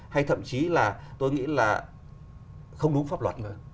hay thậm chí là tôi nghĩ là không đúng pháp luật